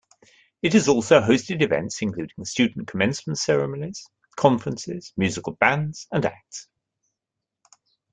It has also hosted events including student commencement ceremonies, conferences, musical bands and acts.